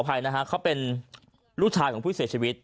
อภัยนะฮะเขาเป็นลูกชายของผู้เสียชีวิต